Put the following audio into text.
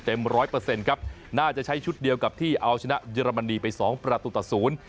ร้อยเปอร์เซ็นต์ครับน่าจะใช้ชุดเดียวกับที่เอาชนะเยอรมนีไปสองประตูต่อศูนย์